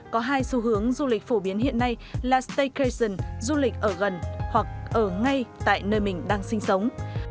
có hai xu hướng du lịch phổ biến hiện nay là staycation du lịch ở gần hoặc ở ngay tại nơi mình đang sinh sống